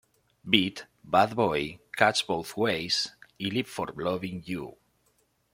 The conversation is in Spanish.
Beat", "Bad Boy", "Cuts Both Ways" y "Live for Loving You".